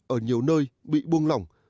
ở nhiều nơi bị buông lỏng